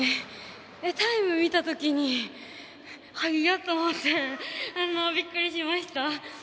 タイムを見た時にはやっ！と思ってびっくりしました。